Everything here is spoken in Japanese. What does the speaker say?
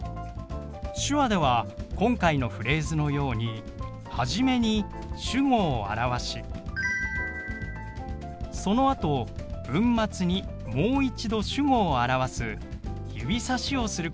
手話では今回のフレーズのように始めに主語を表しそのあと文末にもう一度主語を表す指さしをすることがよくあります。